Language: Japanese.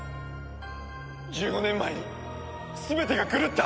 １５年前に全てが狂った。